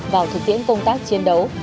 vào thực tiễn công tác chiến đấu